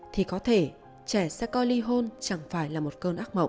thì có thể trẻ sẽ coi ly hôn chẳng phải là một cơn ác mộng